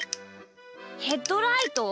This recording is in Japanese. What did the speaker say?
ヘッドライト？